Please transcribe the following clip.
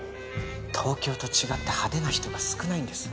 東京と違って派手な人が少ないんです。